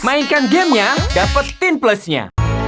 mainkan gamenya dapetin plusnya